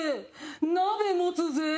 鍋持つぜ。